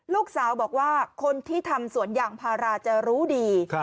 ลูกสาวบอกว่าคนที่ทำสวนยางพาราจะรู้ดี